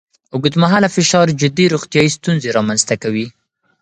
اوږدمهاله فشار جدي روغتیایي ستونزې رامنځ ته کوي.